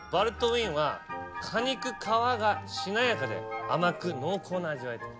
ウィンは果肉皮がしなやかで甘く濃厚な味わいと。